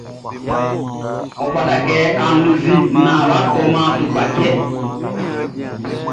Ɔ fata kɛ a wunnzin naan wʼa tɔman tukpachtɛ.